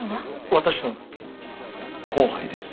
私の後輩です。